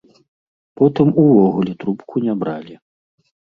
Потым увогуле трубку не бралі.